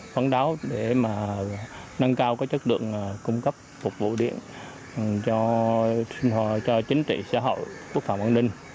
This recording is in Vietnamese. vấn đáo để mà nâng cao có chất lượng cung cấp phục vụ điện cho chính trị xã hội quốc phòng an ninh